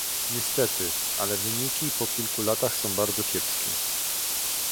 Niestety, ale wyniki po kilku latach są bardzo kiepskie